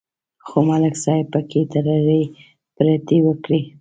خو ملک صاحب پکې ټرتې پرتې وکړې